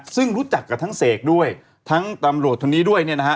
ซึ่งรู้จักกับทั้งเสกด้วยทั้งตำรวจคนนี้ด้วยเนี่ยนะฮะ